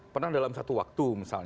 pernah dalam satu waktu misalnya